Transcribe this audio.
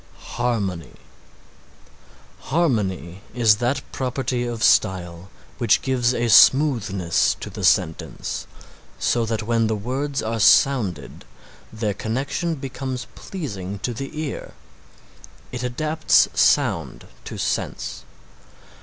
HARMONY Harmony is that property of style which gives a smoothness to the sentence, so that when the words are sounded their connection becomes pleasing to the ear. It adapts sound to sense.